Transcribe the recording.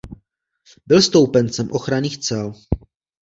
Byl stoupencem ochranných cel.